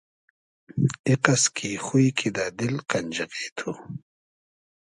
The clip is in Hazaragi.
ایقئس کی خوی کیدۂ دیل قئنخیغې تو